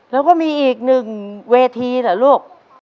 แล้วก็มีอีกหนึ่งเวทีเหรอลูก